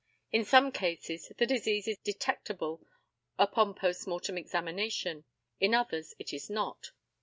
In some cases the disease is detectable upon post mortem examination; in others it is not.